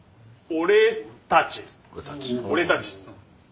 俺たち。